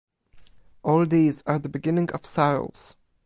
All these are the beginning of sorrows.